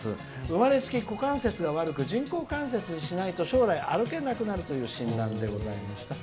生まれつき股関節が悪く人工関節にしないと将来歩けなくなるという診断でございました。